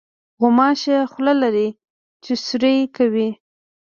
غوماشه خوله لري چې سوري کوي.